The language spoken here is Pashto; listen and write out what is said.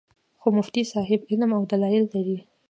خو مفتي صېب علم او دلائل لرل